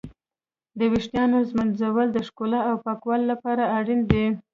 د ويښتانو ږمنځول د ښکلا او پاکوالي لپاره اړين دي.